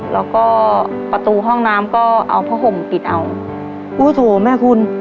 แล้วก็ประตูห้องน้ำก็เอาผ้าห่มปิดเอาโอ้โหโถแม่คุณ